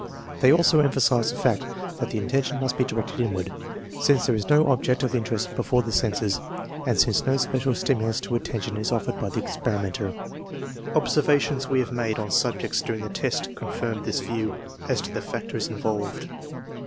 They also emphasize the fact that the attention must be directed inward, since there is no object of interest before the senses and since no special stimulus to attention is offered by the experimenter. Observations we have made on subjects during the test con firm this view as to the factors involved.